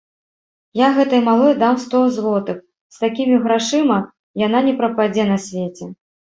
Я гэтай малой дам сто злотых, з такімі грашыма яна не прападзе на свеце.